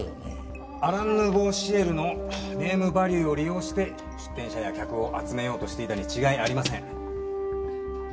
アラン・ヌーボー・シエルのネームバリューを利用して出店者や客を集めようとしていたに違いありません。